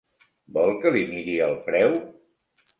Vol que li miri el preu?